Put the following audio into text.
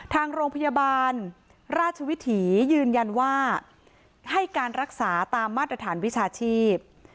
ทางโรงพยาบาลราชวิถียืนยันว่าให้การรักษาตามมาตรฐานวิชาชีพ